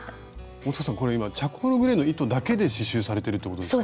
大さんこれ今チャコールグレーの糸だけで刺しゅうされてるってことですか？